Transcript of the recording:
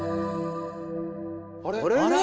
あれ？